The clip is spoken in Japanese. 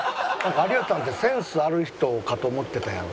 有吉さんってセンスある人かと思ってたやん。